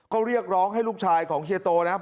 ก็เรียกร้องให้ลูกชายของเฮียโตนะครับ